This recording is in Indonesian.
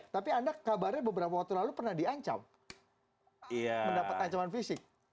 tapi anda kabarnya beberapa waktu lalu pernah diancam mendapat ancaman fisik